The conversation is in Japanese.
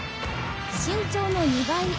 身長の２倍。